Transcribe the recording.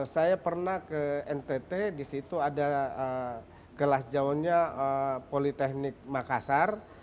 saya pernah ke ntt disitu ada kelas jaunya politeknik makassar